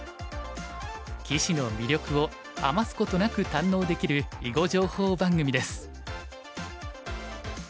棋士の魅力を余すことなく堪能できる囲碁情報番組です。